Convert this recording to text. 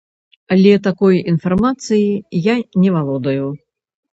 Але такой інфармацыяй я не валодаю.